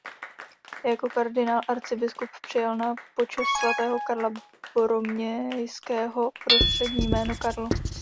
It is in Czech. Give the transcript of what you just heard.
Jako kardinál arcibiskup přijal na počest svatého Karla Boromejského prostřední jméno "Carlo".